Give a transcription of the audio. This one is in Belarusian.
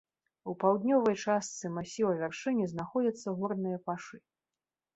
У паўднёвай частцы масіва вяршыні знаходзяцца горныя пашы.